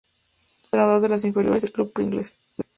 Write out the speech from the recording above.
Es entrenador de las inferiores del Club Pringles.